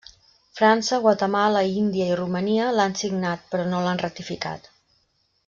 França, Guatemala, Índia i Romania l'han signat però no l'han ratificat.